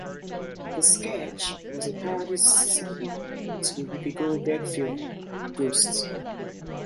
The sketch was a parody sequel to the Whoopi Goldberg film "Ghost".